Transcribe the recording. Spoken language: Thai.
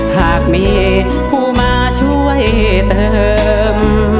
หากมีผู้มาช่วยเติม